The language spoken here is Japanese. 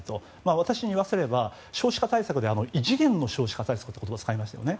私に言わせれば、少子化対策で異次元の少子化対策という言葉を使いましたよね。